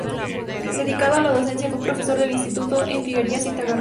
Dedicado a la docencia, fue profesor de instituto en Figueras y en Tarragona.